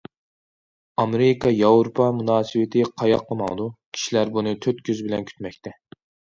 ئامېرىكا ياۋروپا مۇناسىۋىتى قاياققا ماڭىدۇ، كىشىلەر بۇنى تۆت كۆزى بىلەن كۈتمەكتە.